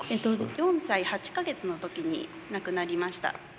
４歳８か月の時に亡くなりました。